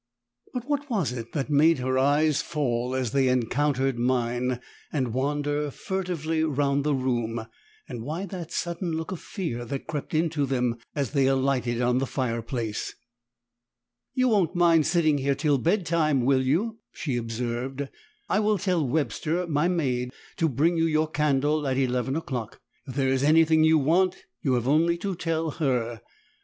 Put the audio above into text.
But what was it that made her eyes fall as they encountered mine, and wander furtively round the room; and why that sudden look of fear that crept into them as they alighted on the fireplace. "You wont mind sitting here till bedtime, will you?" she observed, "I will tell Webster, my maid, to bring you your candle at eleven o'clock. If there is anything you want, you have only to tell HER.